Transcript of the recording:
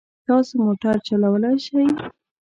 تاسو موټر چلولای شئ؟